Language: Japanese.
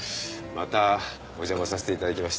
またお邪魔させていただきました。